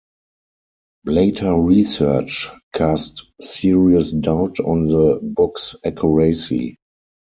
Later research cast serious doubt on the book's accuracy.